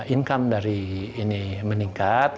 income dari ini meningkat